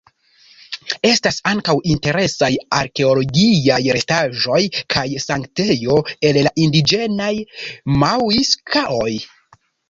Estas ankaŭ interesaj arkeologiaj restaĵoj kaj sanktejo el la indiĝenaj mŭiska-oj.